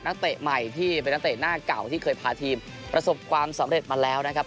เตะใหม่ที่เป็นนักเตะหน้าเก่าที่เคยพาทีมประสบความสำเร็จมาแล้วนะครับ